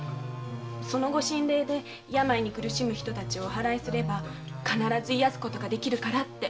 そのご神鈴で病に苦しむ人たちをお祓すれば必ず癒すことができるからって。